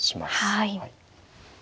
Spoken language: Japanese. はい。